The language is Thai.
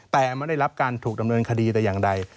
แต่ไม่ได้รับการถูกดำเนินคดีแต่อย่างใด